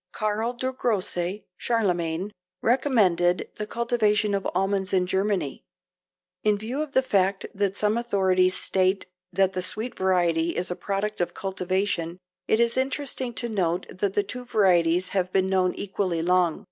Karl der Grosse (Charlemagne) recommended the cultivation of almonds in Germany. In view of the fact that some authorities state that the sweet variety is a product of cultivation, it is interesting to note that the two varieties have been known equally long.